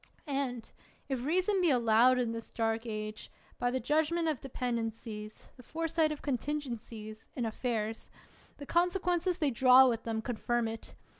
And (if reason be allowed in this dark age, by the judgment of dependencies, the fore sight of contingencies, in affairs) the conse quences they draw with them confirm it.